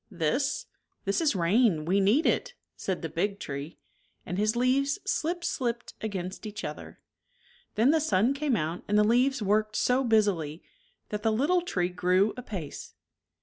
" This ? This is rain ; we need it," said the big tree, and his leaves slip slipped against each other. Then the sun came out and the leaves worked so busily that the little tree grew apace.